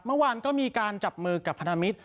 เมื่อวานก็มีการจับมือกับพันธมิตร